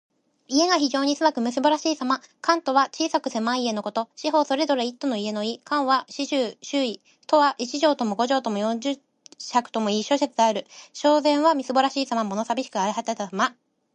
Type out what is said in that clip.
家が非常に狭く、みすぼらしくさびしいさま。「環堵」は小さく狭い家のこと。四方それぞれ一堵の家の意。「環」は四周・周囲。「堵」は一丈（約二・二五メートル）とも五丈とも四十尺ともいい諸説ある。「蕭然」はみすぼらしくさびしいさま。物さびしく荒れ果てたさま。